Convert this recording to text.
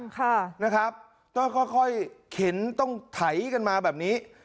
ค่ะนะครับก็ค่อยเข็นต้องไถกันมาแบบนี้